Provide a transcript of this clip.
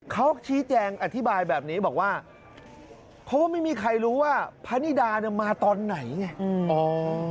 เขาชี้แจงอธิบายแบบนี้บอกว่าเพราะว่าไม่มีใครรู้ว่าพระนิดาเนี่ยมาตอนไหนไง